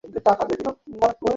এবার কী করবি?